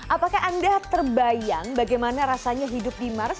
apakah anda terbayang bagaimana rasanya hidup di mars